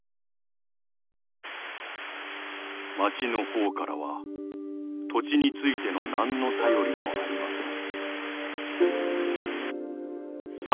「町の方からは土地についての何の便りもありません」。